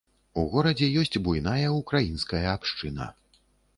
У горадзе ёсць буйная ўкраінская абшчына.